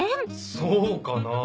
そうかな？